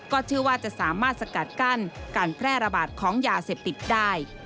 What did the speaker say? เชื่อว่าจะสามารถสกัดกั้นการแพร่ระบาดของยาเสพติดได้